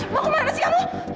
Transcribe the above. mau kemana sih kamu